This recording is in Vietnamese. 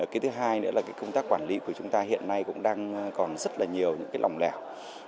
cái thứ hai nữa là công tác quản lý của chúng ta hiện nay cũng đang còn rất nhiều lòng lèo